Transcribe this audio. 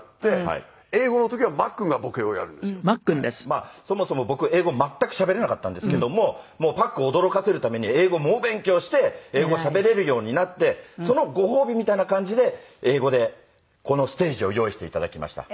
まあそもそも僕英語全くしゃべれなかったんですけどもパックン驚かせるために英語猛勉強して英語しゃべれるようになってそのご褒美みたいな感じで英語でこのステージを用意して頂きました。